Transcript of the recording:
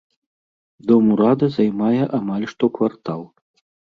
Дом урада займае амаль што квартал.